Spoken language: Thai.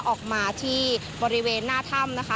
ออกมาที่บริเวณหน้าถ้ำนะคะ